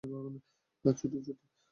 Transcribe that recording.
ছোটি, ছোটি।